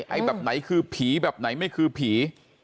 ไอ้แบบไหนคือผีแบบไหนไม่คือผี